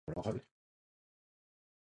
どういうこと